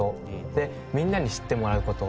でみんなに知ってもらう事。